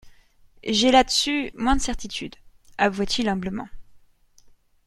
J'ai là-dessus moins de certitudes, avoua-t-il humblement.